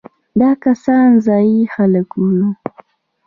دا کسان ځايي خلک وو.